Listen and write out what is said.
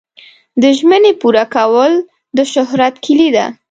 د ژمنې پوره کول د شهرت کلي ده.